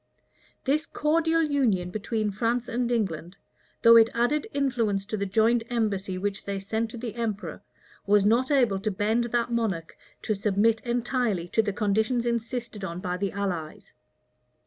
This cordial union between France and England, though it added influence to the joint embassy which they sent to the emperor, was not able to bend that monarch to submit entirely to the conditions insisted on by the allies.